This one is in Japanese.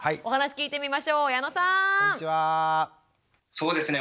そうですね